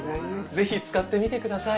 ぜひ使ってみてください。